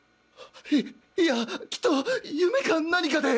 いいやきっと夢か何かで。